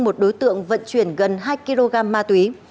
một đối tượng vận chuyển gần hai kg ma túy